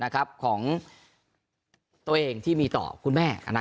ของตัวเองที่มีต่อคุณแม่